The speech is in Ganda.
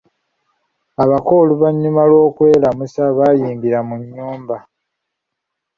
Abako oluvannyuma lw'okwelamusa baayingira mu nnyumba.